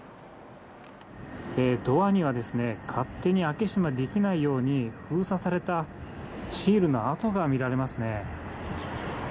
ドアには、勝手に開け閉めできないように封鎖されたシールの跡が見られますね。